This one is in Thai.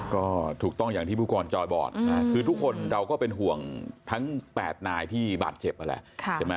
ก็ถูกต้องอย่างที่ผู้กรจอยบอกคือทุกคนเราก็เป็นห่วงทั้ง๘นายที่บาดเจ็บนั่นแหละใช่ไหม